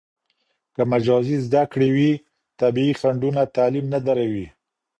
که مجازي زده کړه وي، طبیعي خنډونه تعلیم نه دروي.